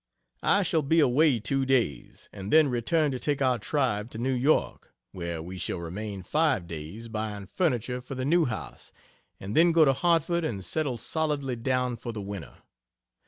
I shall be away two days, and then return to take our tribe to New York, where we shall remain five days buying furniture for the new house, and then go to Hartford and settle solidly down for the winter.